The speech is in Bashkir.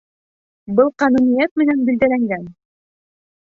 Был ҡануниәт менән билдәләнгән.